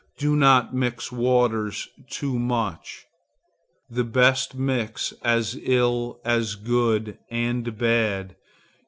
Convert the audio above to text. Do not mix waters too much. The best mix as ill as good and bad.